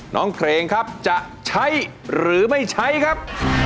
น้องเพลงครับจะใช้หรือไม่ใช้ครับ